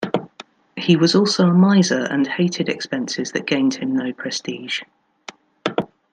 He was also a miser and hated expenses that gained him no prestige.